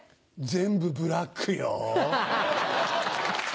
全部ブラックよ。